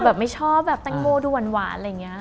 แบบไม่ชอบแบบแตงโมดูหวานอะไรอย่างนี้